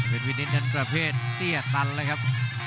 วิทย์วินิตนั้นประเภทเตี้ยตันนะครับ